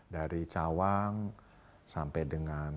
dari cawang sampai dengan